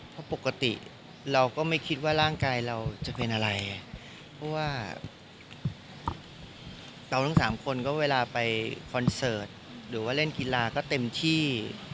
เพราะปกติเราก็ไม่คิดว่าร่างกายเราจะเป็นอะไรเพราะว่าเราทั้งสามคนก็เวลาไปคอนเสิร์ตหรือว่าเล่นกีฬาก็เต็มที่